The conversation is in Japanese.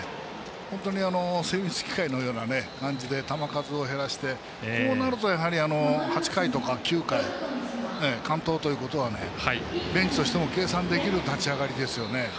本当に精密機械のような感じで球数を減らしてこうなるとやはり８回とか９回、完投ということはベンチとしては計算できる立ち上がりですね。